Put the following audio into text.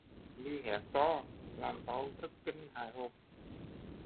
Mi hét to làm tau thất kinh hại hồn